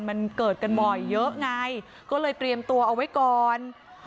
มันเกิดกันบ่อยเยอะไงก็เลยเตรียมตัวเอาไว้ก่อน